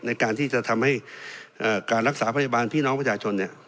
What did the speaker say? ในการที่จะทำให้การรักษาพยาบาลพี่น้องประชาชนเนี่ย